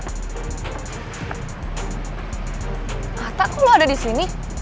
kata kok lo ada disini